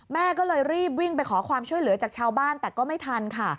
แม่ก็เลยรีบวิ่งไปขอความช่วยเหลือจากชาวบ้านแต่ก็ไม่ทันค่ะ